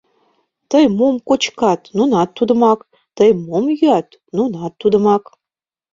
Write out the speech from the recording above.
Тый мом кочкат — нунат тудымак, тый мом йӱат — нунат тудымак.